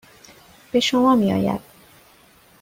به شما میآید.